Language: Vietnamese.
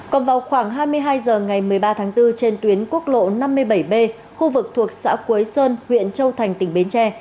còn vào khoảng hai mươi hai h ngày một mươi ba tháng bốn trên tuyến quốc lộ năm mươi bảy b khu vực thuộc xã quế sơn huyện châu thành tỉnh bến tre